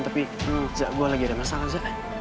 tapi zat gua lagi ada masalah zat